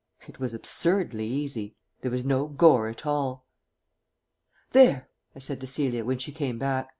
It was absurdly easy. There was no gore at all. ..... "There!" I said to Celia when she came back.